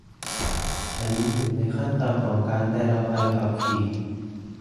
ฉันอยู่ในขั้นตอนของการได้รับใบขับขี่